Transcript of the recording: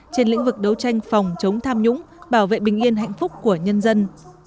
trên lĩnh vực đấu tranh phòng chống tham nhũng bảo vệ bình yên hạnh phúc của nhân dân